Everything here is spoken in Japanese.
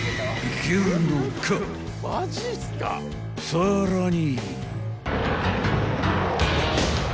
［さらに］